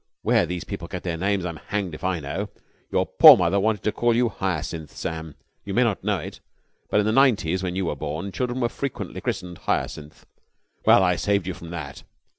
Where these people get their names I'm hanged if I know. Your poor mother wanted to call you Hyacinth, Sam. You may not know it, but in the 'nineties, when you were born, children were frequently christened Hyacinth. Well, I saved you from that."